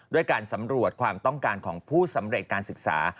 ด้วยการสำรวจความต้องการของผู้สำเร็จการศึกษา